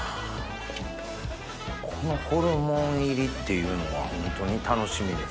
このホルモン入りっていうのはホントに楽しみです。